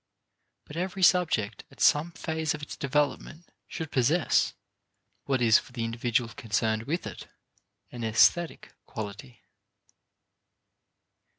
But every subject at some phase of its development should possess, what is for the individual concerned with it, an aesthetic quality.